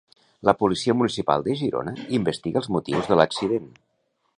La Policia Municipal de Girona investiga els motius de l'accident.